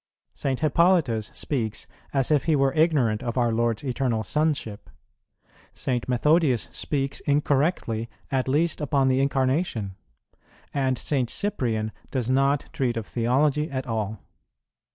[16:3] St. Hippolytus speaks as if he were ignorant of our Lord's Eternal Sonship;[17:1] St. Methodius speaks incorrectly at least upon the Incarnation;[17:2] and St. Cyprian does not treat of theology at all.